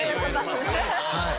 はい。